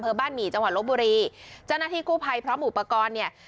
บ้านหมี่จังหวัดลบบุรีเจ้าหน้าที่กู้ภัยพร้อมอุปกรณ์เนี่ย